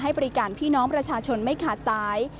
บริการพี่น้องประชาชนไม่ขาดสาย